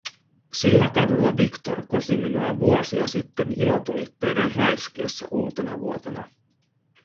Sillä kadulla Victor kosi minua vuosia sitten ilotulitteiden räiskyessä uutenavuotena.